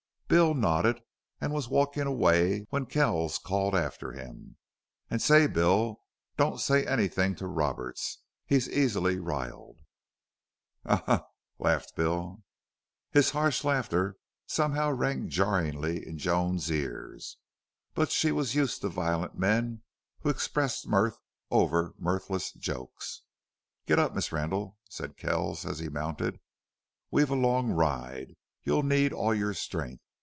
Bill nodded, and was walking away when Kells called after him: "And say, Bill, don't say anything to Roberts. He's easily riled." "Haw! Haw! Haw!" laughed Bill. His harsh laughter somehow rang jarringly in Joan's ears. But she was used to violent men who expressed mirth over mirthless jokes. "Get up, Miss Randle," said Kells as he mounted. "We've a long ride. You'll need all your strength.